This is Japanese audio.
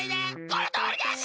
このとおりです！